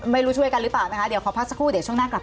ช่วยกันหรือเปล่านะคะเดี๋ยวขอพักสักครู่เดี๋ยวช่วงหน้ากลับ